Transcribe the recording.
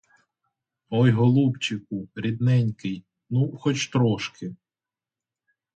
Ой голубчику, рідненький, ну, хоч трошки.